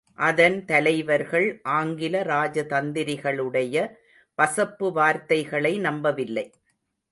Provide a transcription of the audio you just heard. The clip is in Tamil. அதன் தலைவர்கள் ஆங்கில ராஜதந்திரிகளுடைய பசப்பு வார்த்தைகளை நம்பவில்லை.